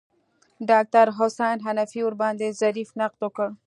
ډاکتر حسن حنفي ورباندې ظریف نقد وکړ.